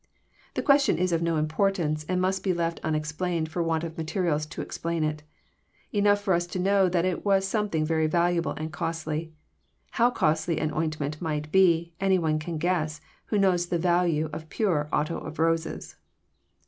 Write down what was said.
The question is of no importance, and must be left unexplained for want of materials to explain it. Enough for us to know that it was something very valuable and costly. How costly an ointment might be, any one can guess who knows the value of pure otto of roses.